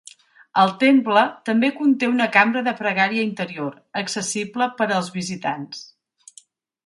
El temple també conté una cambra de pregària interior, accessible per als visitants.